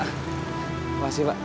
terima kasih pak